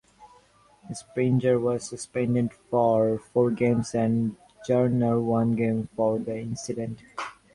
Springer was suspended for four games and Garner one game for the incident.